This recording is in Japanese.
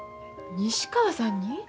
西川さんに？